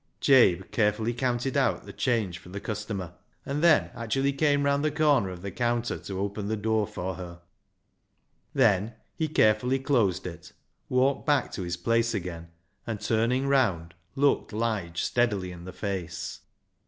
Jabe carefully counted out the change for the customer, and then actually came round the LIGE'S LEGACY 177 corner of the counter to open the door for her. Then he carefully closed it, walked back to his place again, and turning round, looked Lige steadily in the face.